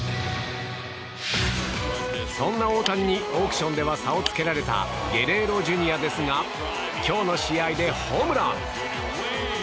そんな大谷にオークションでは差をつけられたゲレーロＪｒ．ですが今日の試合でホームラン！